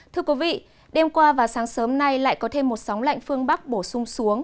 thưa quý vị đêm qua và sáng sớm nay lại có thêm một sóng lạnh phương bắc bổ sung xuống